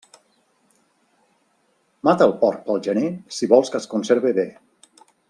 Mata el porc pel gener si vols que es conserve bé.